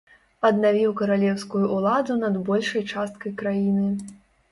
Аднавіў каралеўскую ўладу над большай часткай краіны.